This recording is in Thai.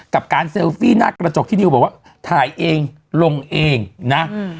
กับการเซลฟี่หน้ากระจกที่นิวบอกว่าถ่ายเองลงเองนะอืม